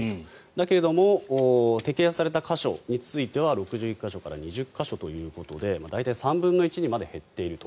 だけれども摘発された箇所については６１か所から２０か所ということで大体３分の１にまで減っていると。